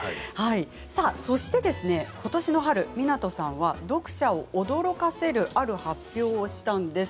そして、ことしの春、湊さんは読者を驚かせるある発表をしたんです。